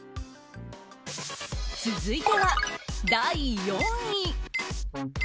続いては第４位。